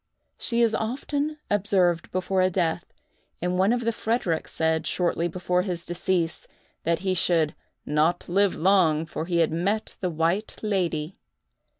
She is often observed before a death; and one of the Fredericks said, shortly before his decease, that he should "not live long, for he had met the White Lady."